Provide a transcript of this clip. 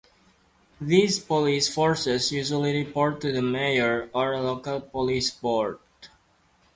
These police forces usually report to the Mayor or a local police board.